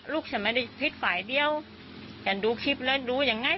ลูกฉันไม่ได้ผิดฝ่ายเดียวฉันดูคลิปแล้วดูยังไง